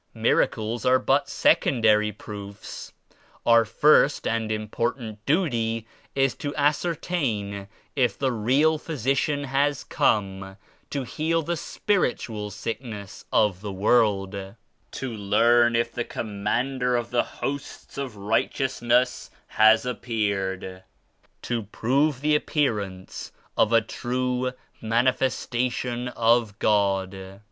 Miracles are but sec ondary proofs. Our first and important duty is to ascertain if the real Physician has come to heal the Spiritual sickness of the world; to learn if the Commander of the hosts of righteousness has appeared; to prove the appearance of a true Manifestation of God.